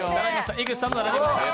井口さんと並びました。